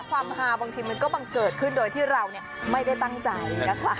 ความฮาบางทีมันก็บังเกิดขึ้นโดยที่เราไม่ได้ตั้งใจนะคะ